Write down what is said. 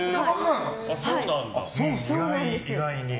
意外に。